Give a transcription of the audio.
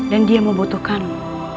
dan dia membutuhkanmu